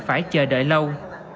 phải chờ đợi lâu